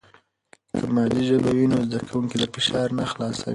که مادي ژبه وي، نو زده کوونکي د فشار نه خلاص وي.